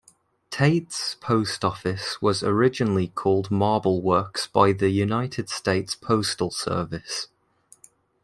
Tate's post office was originally called Marble Works by the United States Postal Service.